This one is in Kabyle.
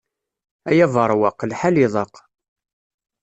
Ay aberwaq, lḥal iḍaq.